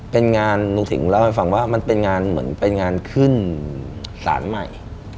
เป็นงานลุงสิงห์เล่าให้ฟังว่ามันเป็นงานเหมือนเป็นงานขึ้นศาลใหม่